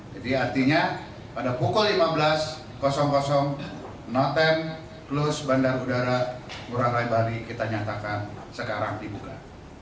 jadi artinya pada pukul lima belas noten plus bandar udara ngurah rai bali kita nyatakan sekarang dibuka